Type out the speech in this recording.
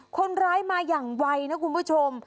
คนร้ายมาอย่างไวนะคุณผู้ชม